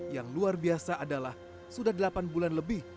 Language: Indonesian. yang luar biasa adalah sudah delapan bulan lebih